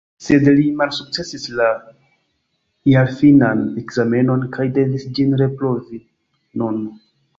Sed li malsukcesis la jarfinan ekzamenon kaj devis ĝin reprovi nun.